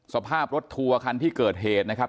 สภาพรถทัวร์คันที่เกิดเหตุนะครับ